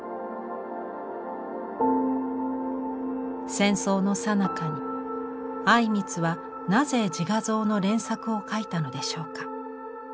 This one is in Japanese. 戦争のさなかに靉光はなぜ自画像の連作を描いたのでしょうか。